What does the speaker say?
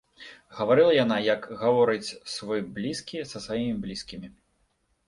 Гаварыла яна, як гаворыць свой блізкі са сваімі блізкімі.